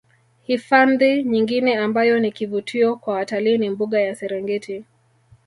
Hifandhi nyingine ambayo ni kivutio kwa watalii ni mbuga ya Serengeti